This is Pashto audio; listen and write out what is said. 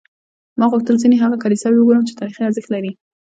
ما غوښتل ځینې هغه کلیساوې وګورم چې تاریخي ارزښت لري.